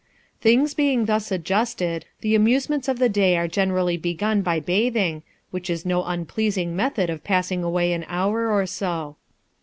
Things being thus adjusted, the amusements of the day are generally begun by bathing, which is no unpleasing method of passing away an hour or so.